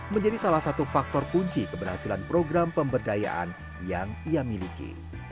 menjadi salah satu faktor kunci keberhasilan program pemberdayaan yang ia miliki